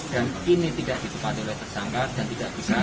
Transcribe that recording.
dan ini tidak ditempatkan oleh tersangka dan tidak bisa